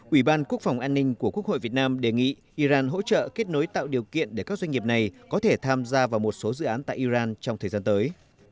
ủy ban quốc phòng an ninh của quốc hội việt nam đề nghị iran hỗ trợ kết nối tạo điều kiện để các doanh nghiệp này có thể tham gia vào một số dự án tại iran trong thời gian tới